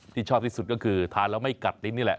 ชอบที่สุดก็คือทานแล้วไม่กัดลิ้นนี่แหละ